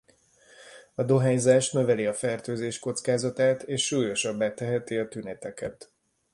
A dohányzás növeli a fertőzés kockázatát és súlyosabbá teheti a tüneteket.